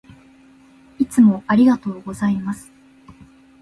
いつもありがとうございます。